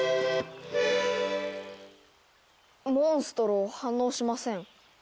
モンストロ反応しません。